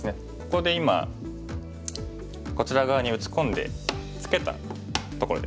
ここで今こちら側に打ち込んでツケたところですね。